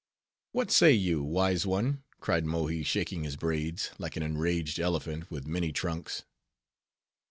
"What say you, wise one?" cried Mohi, shaking his braids, like an enraged elephant with many trunks.